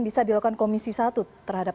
bisa dilakukan komisi satu terhadap